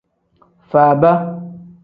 Faaba.